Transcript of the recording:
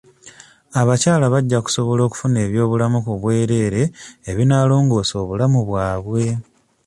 Abakyala bajja kusobola okufuna eby'obulamu ku bwereere ebinaalongoosa obulamu bwabwe.